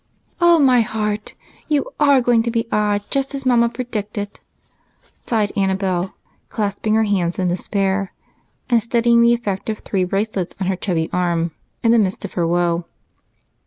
"Oh, my heart! You are going to be odd, just as Mama predicted!" sighed Annabel, clasping her hands in despair and studying the effect of three bracelets on her chubby arm in the midst of her woe.